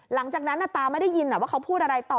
หลังจากนั้นตาไม่ได้ยินว่าเขาพูดอะไรต่อ